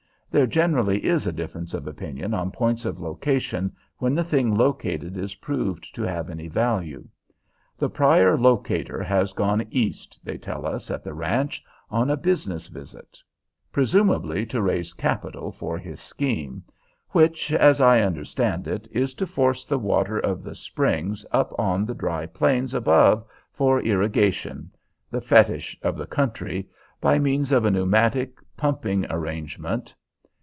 There generally is a difference of opinion on points of location when the thing located is proved to have any value. The prior locator has gone East, they tell us at the ranch, on a business visit, presumably to raise capital for his scheme; which, as I understand it, is to force the water of the springs up on the dry plains above, for irrigation (the fetich of the country), by means of a pneumatic pumping arrangement.